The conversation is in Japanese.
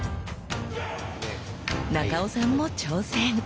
中尾さんも挑戦！